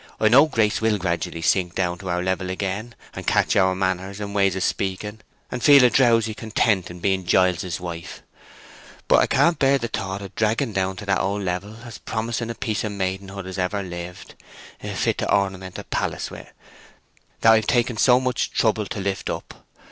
I know Grace will gradually sink down to our level again, and catch our manners and way of speaking, and feel a drowsy content in being Giles's wife. But I can't bear the thought of dragging down to that old level as promising a piece of maidenhood as ever lived—fit to ornament a palace wi'—that I've taken so much trouble to lift up.